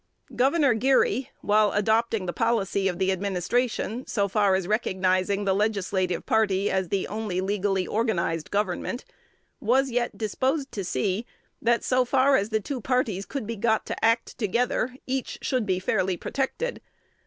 Gov. Geary, while adopting the policy of the administration, so far as recognizing the Legislative party as the only legally organized government, was yet disposed to see, that, so far as the two parties could be got to act together, each should be fairly protected.